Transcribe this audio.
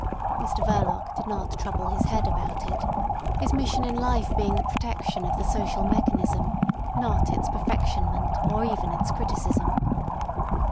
Mr Verloc did not trouble his head about it, his mission in life being the protection of the social mechanism, not its perfectionment or even its criticism.